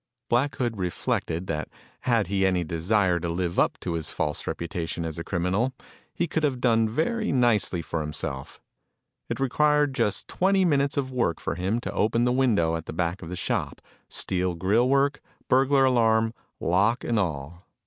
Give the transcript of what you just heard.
Black Hood reflected that had he any desire to live up to his false reputation as a criminal, he could have done very nicely for himself. It required just twenty minutes of work for him to open the window at the back of the shop steel grill work, burglar alarm, lock and all.